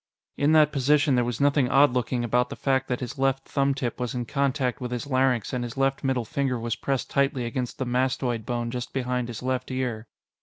In that position, there was nothing odd looking about the fact that his left thumbtip was in contact with his larynx and his left middle finger was pressed tightly against the mastoid bone just behind his left ear.